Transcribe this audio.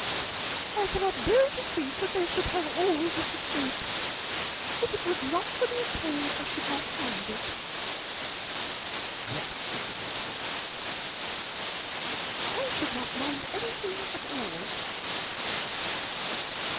"I cannot bear to think that they should have all this estate. If it was not for the entail, I should not mind it." "What should not you mind?" "I should not mind anything at all."